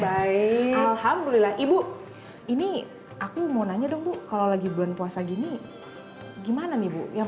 baik alhamdulillah ibu ini aku mau nanya dong bu kalau lagi bulan puasa gini gimana nih bu yang